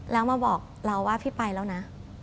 แล้วมาบอกเราว่าพี่ไปแล้วนะ